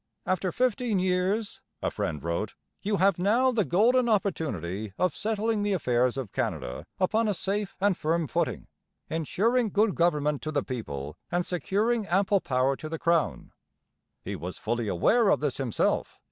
'After fifteen years,' a friend wrote, 'you have now the golden opportunity of settling the affairs of Canada upon a safe and firm footing, ensuring good government to the people, and securing ample power to the Crown.' He was fully aware of this himself.